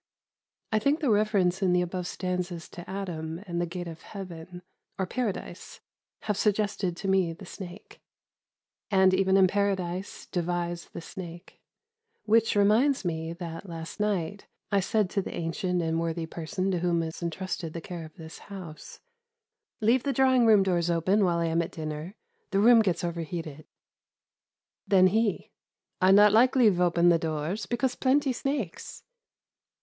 I think the reference in the above stanzas to Adam and the Gate of Heaven, or Paradise, have suggested to me the snake, "And even in Paradise devise the snake," which reminds me that, last night, I said to the ancient and worthy person to whom is entrusted the care of this house "Leave the drawing room doors open while I am at dinner: the room gets overheated." Then he, "I not like leave open the doors, because plenty snakes."